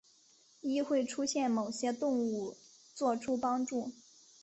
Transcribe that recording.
亦会出现某些动物作出帮助。